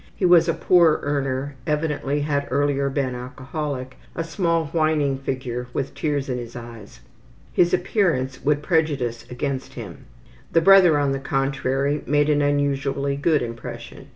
He was a poor earner, evidently had earlier been alcoholic, a small whining figure with tears in his eyes. His appearance would prejudice against him. The brother, on the contrary, made an unusually good impression.